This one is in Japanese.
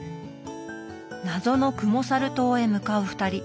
謎のクモサル島へ向かう２人。